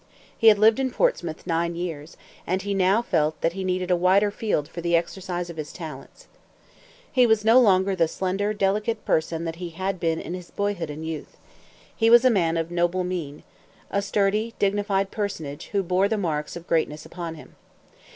He had lived in Portsmouth nine years, and he now felt that he needed a wider field for the exercise of his talents. He was now no longer the slender, delicate person that he had been in his boyhood and youth. He was a man of noble mien a sturdy, dignified personage, who bore the marks of greatness upon him.